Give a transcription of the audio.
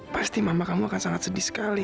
pasti mama kamu akan sangat sedih sekali